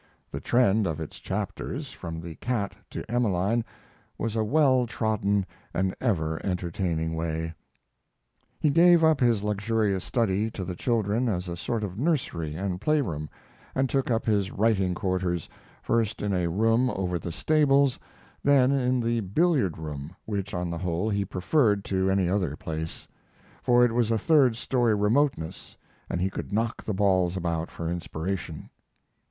The trend of its chapters, from the cat to "Emeline," was a well trodden and ever entertaining way. He gave up his luxurious study to the children as a sort of nursery and playroom, and took up his writing quarters, first in a room over the stables, then in the billiard room, which, on the whole, he preferred to any other place, for it was a third story remoteness, and he could knock the balls about for inspiration.